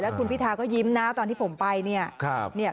คุณพิธาก็ยิ้มนะตอนที่ผมไปเนี่ย